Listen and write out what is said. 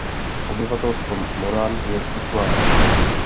Obyvatelstvo Moran je sekulární.